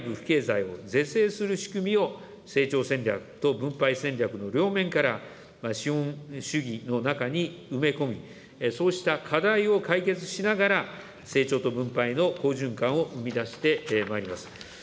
けいざいを是正する仕組みを成長戦略と分配戦略の両面から、資本主義の中に埋め込み、そうした課題を解決しながら、成長と分配の好循環を生み出してまいります。